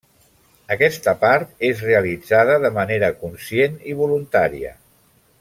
Aquesta part és realitzada de manera conscient i voluntària.